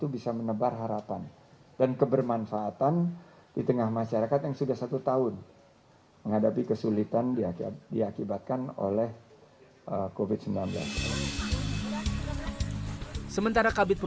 bagaimana kita membangkitkan kembali pariwisata bagaimana kita membangkitkan kembali pariwisata